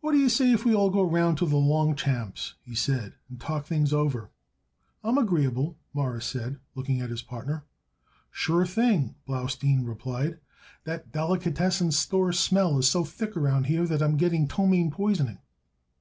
"What d'ye say if we all go round to the Longchamps," he said, "and talk things over." "I'm agreeable," Morris said, looking at his partner. "Sure thing," Blaustein replied. "That delicatessen store smell is so thick around here that I'm getting ptomaine poisoning."